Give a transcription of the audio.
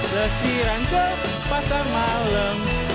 lesiran ke pasar malam